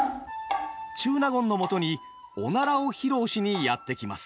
中納言のもとにおならを披露しにやって来ます。